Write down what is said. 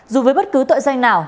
dù với bất cứ tội doanh nào